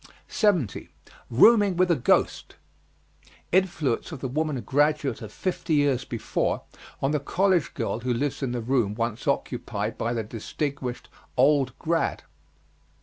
70. ROOMING WITH A GHOST. Influence of the woman graduate of fifty years before on the college girl who lives in the room once occupied by the distinguished "old grad."